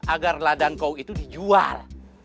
agar ladang kau itu dijual